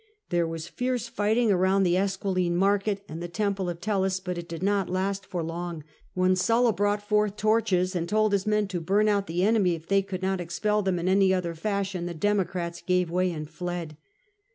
There was fierce fighting around the Esquiline market and the temple of Tellus, but it did not last for long. When Sulla brought forth torches, and told his men to burn out the enemy if they could not expel them in any other fashion, the Democrats gave way and fled.